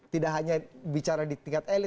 tidak hanya bicara di tingkat elit